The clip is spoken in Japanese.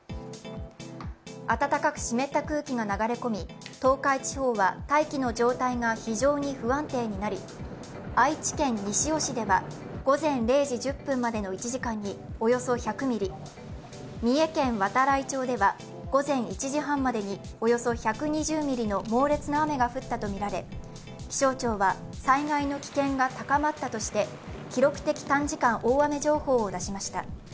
暖かく湿った空気が流れ込み、東海地方は大気の状態が非常に不安定になり愛知県西尾市では午前０時１０分までの１時間におよそ１００ミリ、三重県度会町では、午前１時半までに、およそ１２０ミリの猛烈な雨が降ったとみられ、気象庁は、災害の危険が高まったとして、記録的短時間大雨情報を出しました。